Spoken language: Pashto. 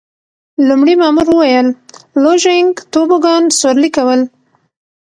لومړي مامور وویل: لوژینګ، توبوګان سورلي کول.